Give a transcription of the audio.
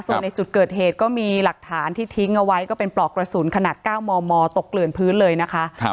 ส่วนในจุดเกิดเหตุก็มีหลักฐานที่ทิ้งเอาไว้ก็เป็นปลอกกระสุนขนาด๙มมตกเกลื่อนพื้นเลยนะคะ